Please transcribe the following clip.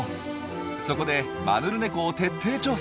そこでマヌルネコを徹底調査。